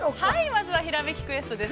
◆まずは「ひらめきクエスト」です。